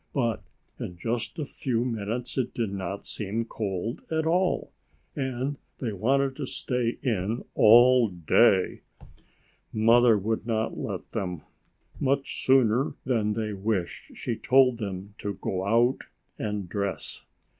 But in just a few minutes it did not seem cold at all, and they wanted to stay in all day. Mother would not let them. Much sooner than they wished, she told them to go out and dress.